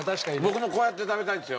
僕もこうやって食べたいんですよ